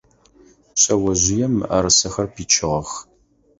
Шъэожъыем мыӏэрысэхэр пичыгъэх.